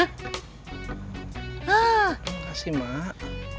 terima kasih emang